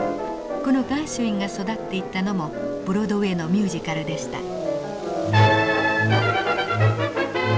このガーシュウィンが育っていったのもブロードウェイのミュージカルでした。